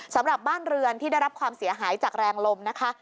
สำหรับบ้านเรือนที่ได้รับความเสียหายจากแรงลมนะคะ